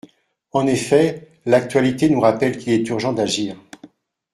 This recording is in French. En effet, l’actualité nous rappelle qu’il est urgent d’agir.